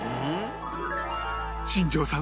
新庄さん